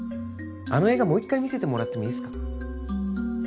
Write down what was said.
あの映画もう一回見せてもらってもいいっすか？